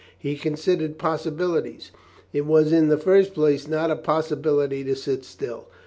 He considered possibilities. It was in the first place not a possibility to sit still.